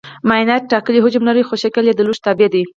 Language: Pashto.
مایعات ټاکلی حجم لري خو شکل یې د لوښي تابع دی.